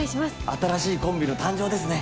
新しいコンビの誕生ですね。